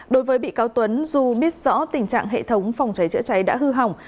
đối với bị cáo tuấn dù biết rõ tình trạng hệ thống phòng cháy chữa cháy đã hư hỏng